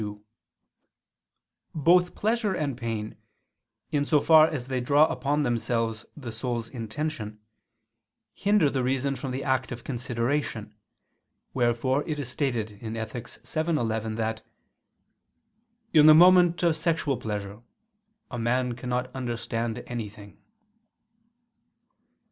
2: Both pleasure and pain, in so far as they draw upon themselves the soul's intention, hinder the reason from the act of consideration, wherefore it is stated in Ethic. vii, 11 that "in the moment of sexual pleasure, a man cannot understand anything."